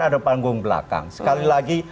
ada panggung belakang sekali lagi